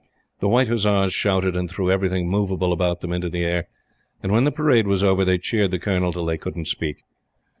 The White Hussars shouted, and threw everything movable about them into the air, and when the parade was over, they cheered the Colonel till they couldn't speak.